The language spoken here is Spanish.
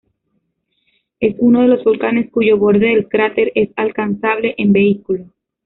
Es uno de los volcanes cuyo borde del cráter es alcanzable en vehículo.